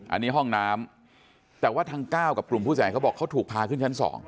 อันนี้ห้องน้ำแต่ว่าทางก้าวกับกลุ่มผู้เสียหายเขาบอกเขาถูกพาขึ้นชั้น๒